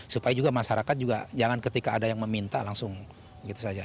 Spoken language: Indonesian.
supaya juga masyarakat juga jangan ketika ada yang meminta langsung gitu saja